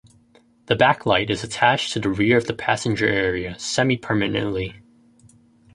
The back light is attached to the rear of the passenger area semi-permanently.